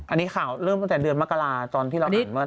อันนี้ข่าวเริ่มตั้งแต่เดือนมกราตอนที่เราเห็นว่า